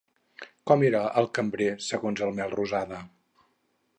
Com era el cambrer, segons el Melrosada?